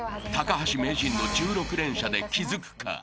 ［高橋名人の１６連射で気付くか？］